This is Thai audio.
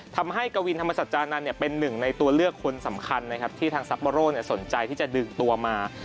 ทำให้กะวินธรรมสัจจานั้นเป็นหนึ่งในตัวเลือกคุณสำคัญที่ทางซัปโปร่นสนใจที่จะดึงตัวมา